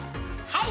はい！